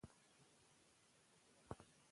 کله نا کله چې وخت تنظیم شي، کارونه به پاتې نه شي.